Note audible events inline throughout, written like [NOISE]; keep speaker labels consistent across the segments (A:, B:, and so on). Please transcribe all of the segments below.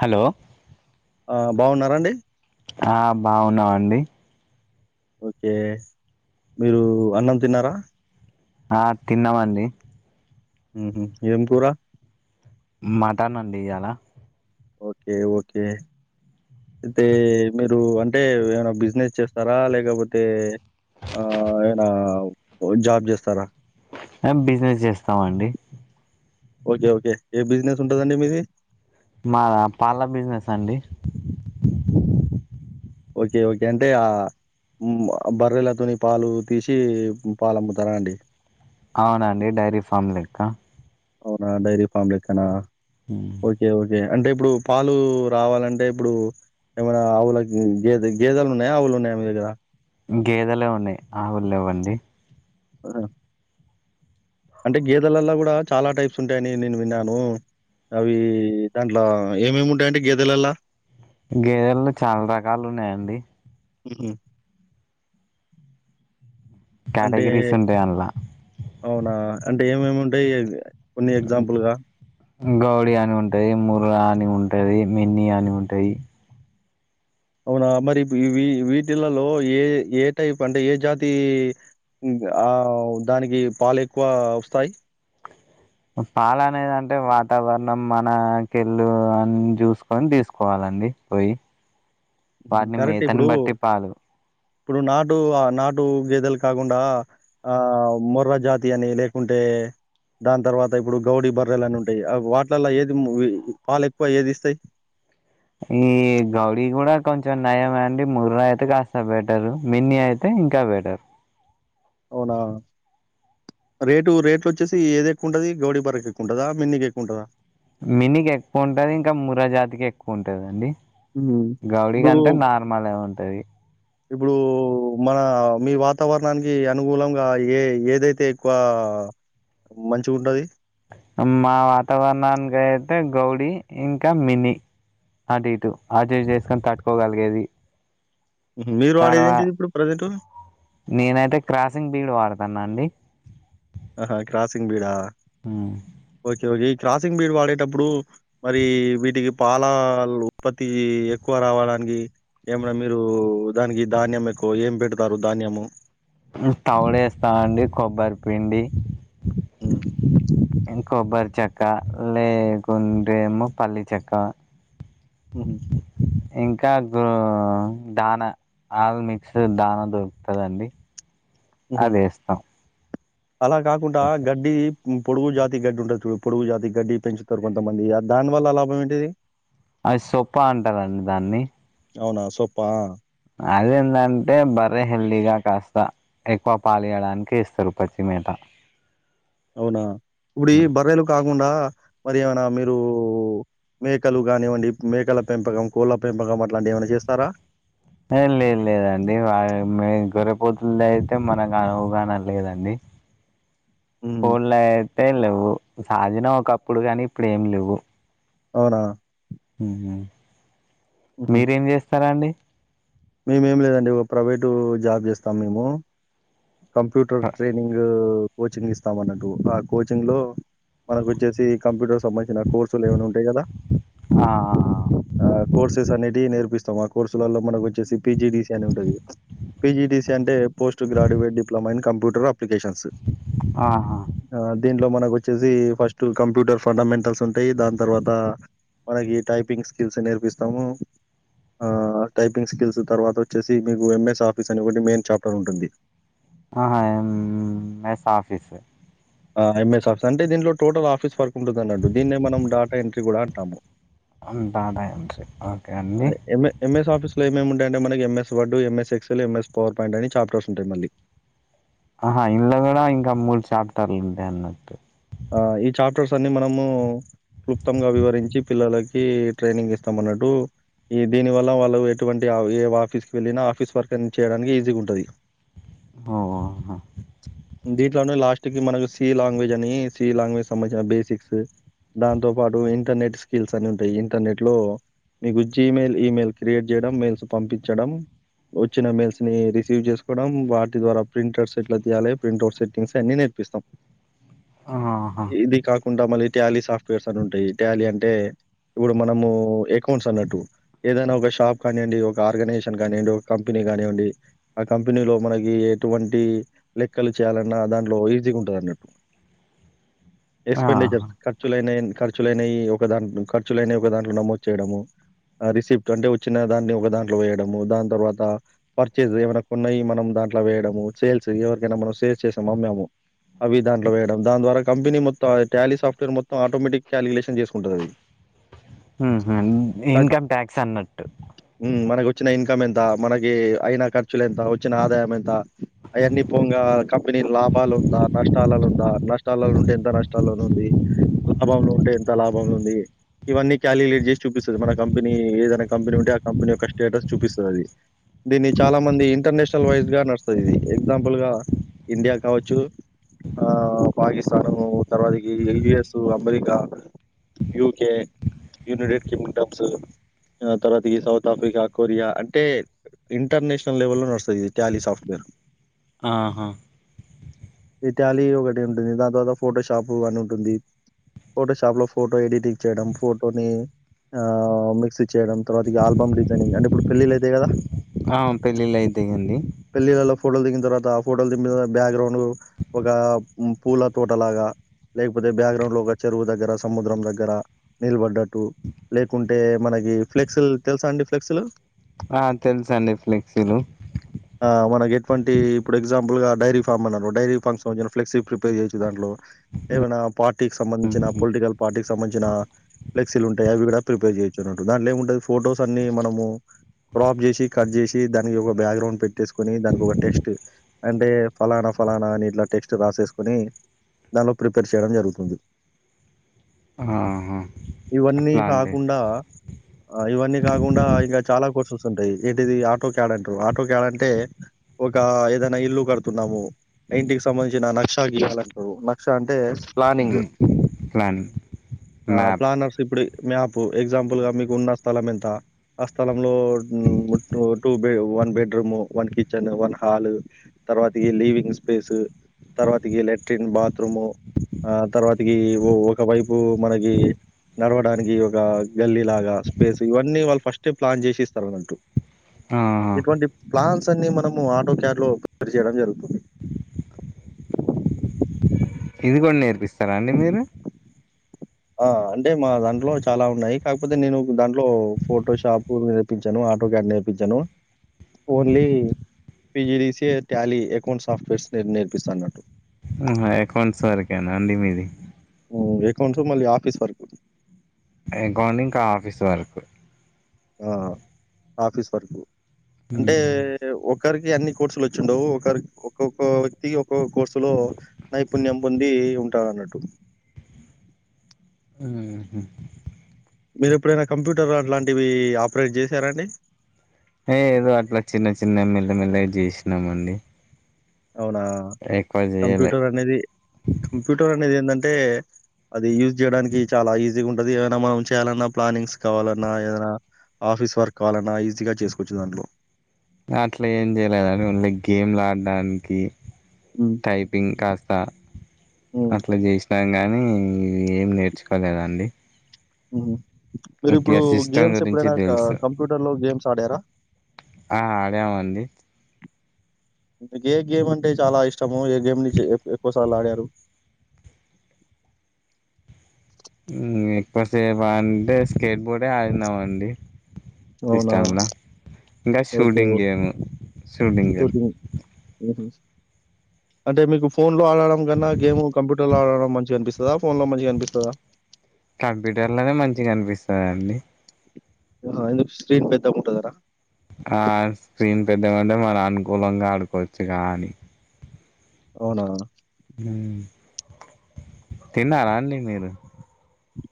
A: Hello
B: ఆ బాగున్నార అండి
A: ఆ బాగున్నమండి
B: ఓకే మీరు అన్నం తిన్నార
A: ఆ తిన్నామండి
B: ఉహు ఏంకూర
A: మటన్ నండి ఇయల
B: ఓకే ఓకే అయితే మీరు అంటే ఏమన్న బిజినెస్ చేస్తార లేకపోతే [UNINTELLIGIBLE] జాబ్ చేస్తార
A: ఎమ్ బిజినెస్ చేస్తామండి
B: ఓకే ఓకే ఏ బిజినెస్ ఉంటదండి మీది
A: మాద పాల బిజినెస్ అండి
B: ఒకే ఒకే అంటే ఆ బర్రెలతోని పాలు తీసి పాలు అమ్ముతార అండి
A: అవునాండి డైరీ ఫామ్ లెక్క
B: ఆవునా డైరీ [UNINTELLIGIBLE]
A: హు
B: ఓకే ఓకే అంటే ఇప్పుడు పాలు రావాలంటే ఇప్పుడు ఏమన్నా ఆవులకి, గేదె గేదెలు ఉన్నయా ఆవులు ఉన్నయా మీ దగ్గర.
A: గేదలే ఉన్నయి ఆవులు లేవండి.
B: ఆ అంటే గేదలల్ల కూడా చాలా టైప్స్ ఉంటయని నేను విన్నాను. అవి దాంట్ల ఏమేమి ఉంటయండి గేదెలల్లా?
A: గేదెలల్ల చాలా రకాలు ఉన్నయండి.
B: ఉహ్ అంటే
A: కేటగిరీస్ ఉంటాయి అందులా
B: అవునా అంటే ఏమేమేం ఉంటయి కొన్ని ఎగ్జాంపుల్గా
A: గౌడి అని ఉంటయి, ముర్ర అని ఉంటది, మిన్ని అని ఉంటయి.
B: అవునా మరి వీ వీ వీటిలల్లో ఏ ఏ టైప్ అంటే ఏ జాతీ ఆ దానికి పాలు ఎక్కువ వస్తాయి.
A: పాలనేది అంటే వాతావరణం మనకెళ్ళు అన్ని చూసుకొని తీసుకోవాలండి. పోయి వాటిని
B: కరెక్టే
A: మేతని
B: ఇప్పుడు
A: బట్టి పాలు
B: ఇప్పుడు నాటు ఆ నాటు గేదలు కాకుండా ఆ మొర్ర జాతి అని లేకుంటే దాని తర్వాత ఇప్పుడు గౌడీ బర్రెలని ఉంటయి ఆ వాటిలల్ల ఏది పాలు ఎక్కువ ఏది ఇస్తయి.
A: ఈ గౌడీ కూడా కొంచెం నయమే అండి. ముర్ర అయితే కాస్తా బెటరు, మిన్ని అయి తే ఇంకా బెటర్.
B: అవునా రేటు రేట్లు వచ్చేసి ఏది ఎక్కువ ఉంటది గౌడి బర్రేకు ఎక్కువ ఉంటదా, మిన్ని కి ఎక్కువ ఉంటదా.
A: మిన్నికే ఎక్కువ ఉంటది ఇంకా ముర్ర జాతికి ఎక్కువ ఉంటదండి
B: ఉమ్
A: గౌడి
B: ఇప్పుడు
A: కంటే నార్ మలె ఉంటది.
B: ఇప్పుడు మన మీ వాతావరణానికి అనుకూలంగా ఏ ఏదైతే ఎక్కువ మంచిగా ఉంటది.
A: మా వాతావరణానికి అయితే గౌడీ ఇంకా మిన్ని. అటు ఇటు అడ్జస్ట్ చేసుకొని కట్టుకోగలిగేది.
B: మీరు వాడేదేంటి ఇప్పుడు ప్రజెంటు?
A: నేనైతే క్రాసింగ్ బీడ్ వాడతన్నా అండి.
B: ఆహా క్రాసింగ్ బ్రీడా.
A: ఆ
B: [UNINTELLIGIBLE] ఈ క్రాసింగ్ బ్రీడ్ వాడేటప్పుడు మరి వీటికి పాల ఉత్పత్తి ఎక్కువ రావడానికి ఏమనా మీరు దానికి ధాన్యం ఎక్కువ ఏం పెడతారు ధాన్యము.
A: తవుడు ఎస్తామండి, కొబ్బరి పిండి
B: హ్
A: కొబ్బరి చెక్క లేకుంటే ఏమె పల్లి చెక్క.
B: ఉహ్
A: ఇంకా గో దాన. ఆల్ మిక్స్ దాన దొరుకుతదండి
B: ఉహు
A: అది ఎస్తం.
B: అలా కాకుండా గడ్డి పొడుగు జాతి గడ్డి ఉంటది చూడు, పొడుగు జాతి గడ్డి పెంచుతరు కొంతమంది దాని వల్ల లాభం ఏంటిది?
A: అది సొప్ప అంటరండి దాన్ని.
B: అవునా సొప్పా
A: అదేందంటే బర్రె హెల్దీగా కాస్త ఎక్కువ పాలు ఇవ్వడానికి వేస్తారు పచ్చిమేత
B: అవునా ఇప్పుడు ఈ బర్రెలు కాకుండా మరి ఏమన్నా మీరు మేకలు కానివ్వండి మేకల పెంపకం కోళ్ళ పెంపకం అట్లాంటివి ఏమైనా చేస్తారా
A: ఏ లేదు లేదండి వా గురిపోతుంది అయితే మనకు అవగాహన లేదండి
B: [INAUDIBLE] హ్మ్.
A: ఫోన్లో అయితే లేవు సాగినా ఒకప్పుడు కానీ ఇప్పుడు ఏమి లేవు
B: అవునా
A: మీరేం చేస్తారు అండి
B: మేము ఏం లేదండి ఒక ప్రైవేటు జాబ్ చేస్తాము మేము కంప్యూటర్ ట్రైనింగ్ కోచింగ్ ఇస్తాం అన్నట్టు ఆ కోచింగ్లో మనకు వచ్చేసి కంప్యూటర్ సంబంధించిన కోర్సులు ఏమైనా ఉంటాయి కదా
A: ఆ
B: ఆ కోర్సెస్ అనేటివి నేర్పిస్తాం ఆ కోర్సులలో మనకు వచ్చేసి పీజిటిసీ అని ఉంటది పీజిటీసీ అంటే post graduate diploma in computer applications
A: ఆహా
B: ఆ దీంట్లో మనకు వచ్చేసి ఫస్ట్ కంప్యూటర్ ఫండమెంటల్స్ ఉంటాయి దాని తర్వాత మనకి టైపింగ్ స్కిల్స్ నేర్పిస్తాము ఆ టై పింగ్ స్కిల్స్ తర్వాత వచ్చేసి మేము ఎంఎస్ ఆఫీస్ అని ఒకటి మెయిన్ చాప్టర్ ఉంటుంది
A: ఆహా ఎంఎస్ ఆఫీస్
B: ఆ ఎంఎస్ ఆఫీస్ అంటే దీనిలో టోటల్ ఆఫీస్ వర్క్ ఉంటుంది అన్నట్టు దీన్నే మనం డాటా ఎంట్రీ కూడా అంటాము
A: అంతా అదాయం ఓకే అండి
B: ఎంఎ ఎంఎస్ ఆఫీస్లో ఏమేముంటాయంటే మనకి MS Word, MS Excel, MS PowerPoint అని చాప్టర్స్ ఉంటాయి మళ్ళీ
A: ఆహా ఇందులో కూడా ఇంకా మూడు చాప్టర్లు ఉంటాయి అన్నట్టు
B: ఆ ఈ చాప్టర్స్ అన్ని మనము క్లుప్తంగా వివరించి పిల్లలకి ట్రైనింగ్ ఇస్తామన్నట్టు ఈ దీని వల్ల వాళ్ళు ఎటువంటి ఆ ఏ ఆఫీస్ కి వెళ్ళినా ఆఫీస్ వర్క్ అని చేయడానికి ఈజీగా ఉంటది
A: ఓహో
B: దీంట్లోనే లాస్ట్ కి మనకు సి లాంగ్వేజ్ అని సి లాంగ్వేజ్ సంబంధించిన బేసిక్స్ దాంతో పాటు ఇంటర్నెట్ స్కిల్స్ అని ఉంటాయి ఇంటర్నెట్ లో మీకు జీమెయిల్, ఇమెయిల్ క్రియేట్ చేయడం మెయిల్స్ పంపించడం వచ్చిన మెయిల్స్ ని రిసీవ్ చేసుకోవడం వాటి ద్వారా ప్రింట్ సెట్లా తీయాలి ప్రింట్ అవుట్ సెట్ స్కిల్స్ అన్ని నేర్పిస్తాం
A: ఆ
B: ఇది కాకుండా మళ్ళీ ట్యాలీ సాఫ్ట్వేర్స్ అని ఉంటాయి ట్యాలీ అంటే ఇప్పుడు మనము ఎకౌంట్స్ అన్నట్టు ఏదైనా ఒక షాప్ ఒక ఆర్గనైజేషన్ కానిండి ఒక కంపెనీ కానివ్వండి ఆ కంపెనీలో మనకి ఎటువంటి లెక్కలు చేయాలన్నా దాంట్లో ఈజీగా ఉంటది అన్నట్టు
A: ఆహా
B: ఎక్స్పెండిచర్స్ ఖర్చులైన ఖర్చులైనయి ఒక దాంట్లో ఖర్చులైన ఒక దాంట్లో నమోదు చేయడము ఆ రిసిప్ట్ అంటే వచ్చిన దాన్ని ఒక దాంట్లో వేయడము దాని తర్వాత పర్చేజ్ ఏమైనా కొన్నాయి మనం దాంట్లో వేయడము సేల్స్ ఎవరికైనా మనం సేల్స్ చేసాము అమ్మాము అవి దాంట్లో వే ద్వార కంపెనీ మొత్త ఆ టాలీ సఫ్ట్వేర్ మొత్తం ఆటోమేటిక్ క్యాలిక్లేషన్ చేసుకుంటది అది
A: ఉహు ఇన్కమ్ ట్యాక్స్ అన్నట్టు
B: ఉ మనకి వచ్చిన ఇన్కమ్ ఎంత మనకి అయిన ఖర్చులు ఎంత వచ్చిన ఆదాయం ఎంత అవన్నిపోంగ కంపెనీ లాభాలు ఉందా నష్టాలులు ఉందా నష్టాల్లో ఉంటే ఎంత నష్టాల్లోన ఉంది లాభంలో ఉంటే ఎంత లాభంలో ఉంది ఇవన్నీ క్యాలిక్యలేట్ చేసి చూపిస్తుంది మన కంపెనీ ఏదైనా కంపెనీ ఉంటే ఆ కంపెనీ యొక్క స్టేటస్ చూపిస్తది అది దీన్ని చాలా మంది ఇంటర్నేషనల్ వైజ్ గా నడుస్తుంది ఇది ఎగ్జాంపుల్ గా ఇండియా కావచ్చు ఆ పాకిస్తాను తర్వాత ఈ US America UK United Kingdoms ఆ తర్వాత ఈ సౌత్ ఆఫ్రికా కొరియా అంటే ఇంటర్నెషనల్ లెవెల్లో నడస్తు ఇ ట్యాలి సాఫ్ట్ వేర్
A: ఆహా
B: ఇటాలీ ఒకటి ఉంటుంది దాని తర్వాత ఫోటోషాప్ అని ఉంటుంది ఫోటో షాప్లో ఫోటో ఎడిటింగ్ చేయడం ఫోటోని ఆ మిక్స్ చేయడం తర్వాత ఆల్బమ్ డిజైనింగ్ అంటే ఇప్పుడు పెళ్ళిలు అయితయి కదా
A: ఆ పెళ్ళిళ్ళ అయితేయండి
B: పెళ్ళిళ్లలో ఫోటోలు దిగిన తర్వాత ఆ ఫోటోలు దిగిన బ్యాక్గ్రౌండ్ ఒక పూల తోటలాగా లేకపోతే బాక్గ్రౌండ్ లో ఒక చెరువు దగ్గర సముద్రం దగ్గర నిలబడ్డట్టు లేకుంటే మనకి ఫ్లెక్స్లు తెలుసా అండి ఫ్లెక్స్లు
A: ఆ తెలుస అండి ఫ్లెక్సీలు
B: ఆ మనకు ఎటువంటి ఇప్పుడు ఎగ్జాంపుల్ గా డైరీఫాం అన్నరు డైరీఫామ్స్ ఫ్లెక్సీ ప్రిపేర్ చేయొచ్చు దాంట్లో ఏమైనా పార్టీకి
A: మ్మ్.
B: సంబంధించిన పొలిటికల్ పార్టీకి సంబంధించిన ఫ్లెక్సీ ఉంటాయివి కూడా ప్రిపేర్ చేయచ్చున్నట్టు దాంట్లో ఏముంటది ఫోటోస్ అన్ని మనము క్రాప్ జేసి కట్ చేసి దానికి ఒక బ్యాక్గ్రౌండ్ పెట్టేసుకొని దానికి ఒక టెక్స్ట్ అంటే ఫలానా ఫలానా నీట్లో టెక్స్ట్ రాసేసు కొని దానిలో ప్రిపేర్ చేయడం జరుగుతుంది
A: ఆహా.
B: ఇవన్నీ
A: అట్లా అండి
B: కాకుండా ఆ ఇవన్నీ కాకుండా ఇంకా చాలా కోర్సెస్ ఉంటాయి ఏంటిది ఆటో కేడట్ అంటారు ఆటో క్యాడ అంటే ఒక ఏదైనా ఇల్లు కడుతున్నాము ఇంటికి సంబంధించిన నష్ గయాలంటవు నక్ష అంటే ప్లానింగ్
A: ప్లాన్
B: ఆ
A: మ్యాప్
B: ప్లానర్స్ ఇప్పుడి మ్యాపు ఎగ్జాంపుల్ గా మీకు ఉన్న స్థలం ఎంత ఆ స్థలంలో two two one bedroom one kitchen one hall తర్వాత ఈ లీవింగ్ స్పేస్ తర్వాతికి లెట్రిన్ బాత్రూము ఆ తర్వాతికి ఒక వైపు మనకి నడవడానికి ఒక గల్లీలాగా స్పేస్ ఇవన్నీ వాళ్ళు ఫస్టే ప్లాన్ జేసి ఇస్తారన్నట్టు
A: ఆహా.
B: ఇటువంటి ప్లాన్స్ అన్ని మనము ఆటో క్యాబ్ లో చేయడం జరుగుతుంది
A: ఇది కూడా నేర్పిస్తారా అండి మీరు
B: ఆ అంటే మా దాంట్లో చాలా ఉన్నాయి కాకపోతే నేను దాంట్లో ఫోటో షాప్ మీ ఇప్పించాను ఆటో గార్డ్ నేర్పించాను only PGDC Tally account softwares నేర్పిస్త అన్నట్
A: ఆహ అకౌంట్స్ వరకేనా అండి మీది
B: ఎకౌంట్సు మళ్ళీ ఆఫీస్ వరక్
A: ఇగని ఇంకా ఆఫీస్ వరకు
B: ఆ ఆఫీస్ వర్క్ అంటే
A: ఉమ్.
B: ఒకరికి అన్ని కోర్సులు వచ్చి ఉండవు ఒకరికి ఒక్కొక్క వ్యక్తి ఒక్కొక్క కోర్సులో నైపుణ్యం పొంది ఉంటారు అన్నట్టు.
A: మ్ హూ
B: మీరు ఎప్పుడైనా కంప్యూటర్ అట్లాంటివి ఆపరేట్ చేసారాండి.
A: ఏ ఏదో అట్లా చిన్న చిన్న మెల్ల మెల్ల గా చేసినాము అండి.
B: అవునా,
A: చేయలే
B: కంప్యూటర్ అనేది కంప్యూటర్ అనేది ఏంటంటే అది యూజ్ చేయడానికి చాలా ఈజీగా ఉంటాది. ఏదైనా మనం చేయాలన్నా ప్లానింగ్స్ కావాలన్నా ఏదైనా ఆఫీస్ వర్క్ కావాలన్నా ఈజీగా చేసుకోవచ్చు దాంట్లో.
A: అట్లా ఏం చేయలే గానీ ఊరికే గేమ్లు ఆడడానికి.
B: మ్
A: టైపింగ్ కాస్త అట్లా చేస్ కానీ ఇవి ఏం నేర్చుకోలేదండి.
B: మ్ మీరు
A: ఉట్టిగా
B: ఇప్పుడు
A: సిస్టమ్
B: గేమ్స్
A: గురించి
B: ఎప్పుడైనా
A: తెలుసు
B: కంప్యూటర్ లో గేమ్స్ ఆడారా?
A: ఆ ఆడాము అండి
B: ఏ గేమ్ అంటే చాలా ఇష్టము. ఏ గేమ్ ను ఎక్కువ సార్లు ఆడారు.
A: ఎక్కువ సేపు అంటే స్కేట్ బోర్డే ఆడినామండి.
B: అవునా
A: సిస్టంలో ఇంకా
B: okay.
A: Shooting game shooting game.
B: ఉ ఉ అంటే మీకు ఫోన్లో ఆడడం కన్నా గేమ్ కంప్యూటర్ లో ఆడడం మంచిగా అనిపి? స్తుందా ఫోన్ లో మంచిగా అనిపిస్తాదా
A: కంప్యూటర్లోనే మంచిగా అనిపిస్తాదండి.
B: ఎందుకు స్క్రీన్ పెద్దగుంట దనా
A: ఆ స్క్రీన్ పెద్దగుంటే మనం అనుకూలంగా ఆడుకోవచ్చు కానీ
B: అవునా
A: మ్ తిన్నరండి? మీరు.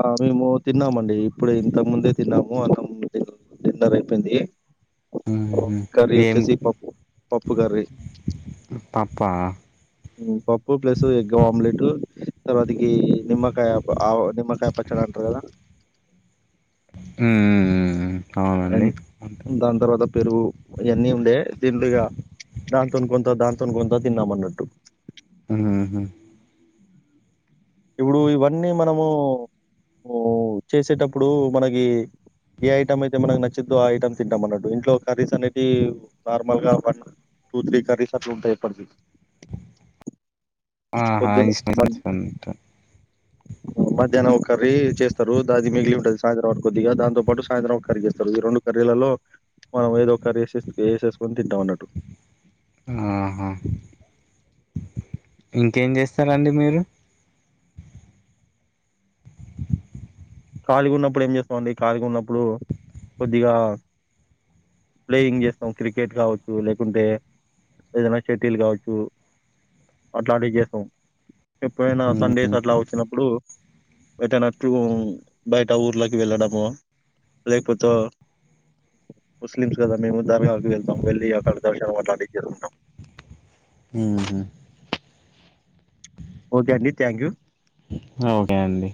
B: ఆ మేము తిన్నామండి. ఇప్పుడు ఇంతకు ముందే తిన్నాము. అంతకుముందే డిన్నర్ అయిపోయింది. కర్రీ
A: ఏం
B: వచ్చేసి పప్పు. పప్పు కర్రీ.
A: పప్పా
B: పప్పు ప్లస్ ఎగ్గ ఆమ్లెట్ తర్వాతక నిమ్మకాయ నిమ్మకాయ పచ్చడీ. చాలా అంటారు కదా?
A: మ్ హూ హూ కావాలండి
B: అండ్ దాని తర్వాత పెరుగు ఇవన్నీ ఉండే దిండుగా దాంతోను కొంత దాంతోను కొంత తిన్నాం అన్నట్టు.
A: మ్ హు హూ
B: ఇప్పుడు ఇవన్నీ మనము చేసేటప్పుడు మనకి ఏ ఐటమ్ అయితే మనకు నచ్చిద్ధో ఆ ఐటమ్ తింటాం అన్నట్టు ఇంట్లో కర్రీస్ అనేవి నార్మల్ గా వన్. టూ, త్రీ కర్రీస్ అట్లా ఉంటాయి.
A: ఆహా
B: పొద్దునే, మధ్యా మధ్యాహ్నం ఒక్కర్రీ చేస్తారు. అది మిగిలింటాది. సాయంత్రానికి కొద్దిగా దాంతో పాటు సాయంత్రం ఒకర్రీ చేస్తారు. ఈ రెండూ కర్రీలలో మనం ఏదో కర్రీ వేస వేసేసుకొని తింటాం అన్నట్టు.
A: ఆహా! ఇంకేం చేస్తారండి మీరు.
B: ఖాళీ గున్నప్పుడు ఏం జేస్తామండి ఖాళీ గా ఉన్నప్పుడు కొద్దిగా ప్లేయింగ్ చేస్తాం. క్రికెట్ కావచ్చు లేకుంటే ఏదైనా సెటిల్ కావచ్చు అట్లాంటివి చేస్తాం. ఎప్పుడైనా సండేస్ అట్లా వచ్చినప్పుడు ఎటైనా టూ బయట ఊర్లోకి వెళ్ళడము లేకపోతే ముస్లిమ్స్ కదండీ మేము దర్గాకి వెళ్తాం వెళ్ళి అక్కడ దర్శనం అట్లాంటివి చేసుకుంటాం
A: హు హామ్
B: ఒకే అండి థ్యాంక్యూ
A: ఆ ఓకే అండి